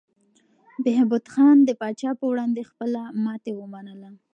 بهبود خان د پاچا په وړاندې خپله ماتې ومنله.